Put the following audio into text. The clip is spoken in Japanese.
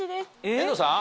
遠藤さん？